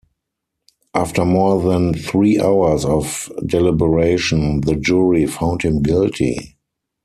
After more than three hours of deliberation the jury found him guilty.